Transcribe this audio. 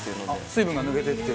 水分が抜けていって。